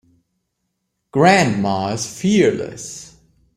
Grandma is fearless.